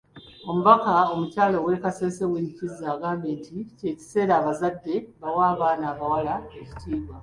Omubaka omukyala ow'e Kasese, Winnie Kiiza agambye nti ky'ekiseera abazadde bawe abaana abawala ekitiibwa.